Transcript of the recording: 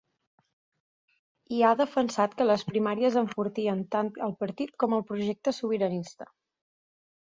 I ha defensat que les primàries enfortien tant el partit com el projecte sobiranista.